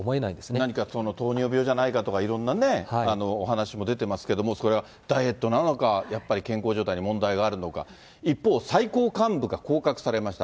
何か糖尿病じゃないかとか、いろんなお話も出てますけれども、それはダイエットなのか、やっぱり健康状態に問題があるのか、一方、最高幹部が降格されました。